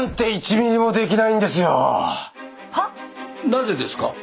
なぜですか？